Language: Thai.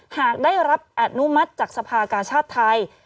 หากได้รับอนุมัติจากสภากาชาติไทย